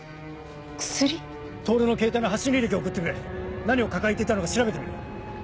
透のケータイの発信履歴を送ってくれ何を抱えていたのか調べてみる。